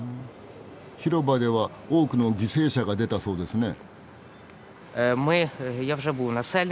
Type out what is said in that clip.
広場では多くの犠牲者が出たそうですね。